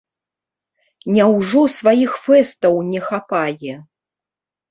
Няўжо сваіх фэстаў не хапае?